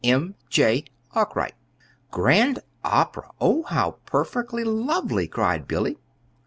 "M. J. ARKWRIGHT." "Grand Opera! Oh, how perfectly lovely," cried Billy.